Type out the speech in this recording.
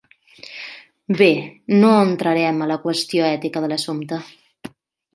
Bé, no entrarem a la qüestió ètica de l'assumpte.